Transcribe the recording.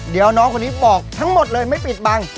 เดี๋ยวน้องคนนี้บอกทั้งหมดเลยไม่ปิดบัง